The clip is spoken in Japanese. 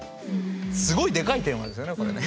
すごいでかいテーマですよねこれね。